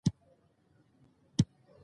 پښتني اتلان د هیواد د ټولو خلکو ساتونکي دي.